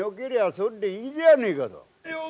それでいいじゃねえかさ。